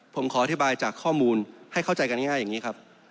ผมขออธิบายจากข้อมูลให้เข้าใจกันง่ายอย่างนี้ครับ